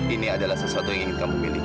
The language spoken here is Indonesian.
ini adalah sesuatu yang ingin kamu pilih